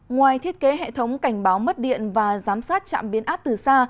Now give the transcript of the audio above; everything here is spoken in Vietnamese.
ngoài thiết kế hệ thống cảnh báo mất điện và giám sát trạm biến áp từ xa